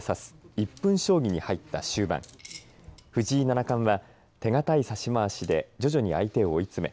１分将棋に入った終盤藤井七冠は手堅い指しまわしで徐々に相手を追い詰め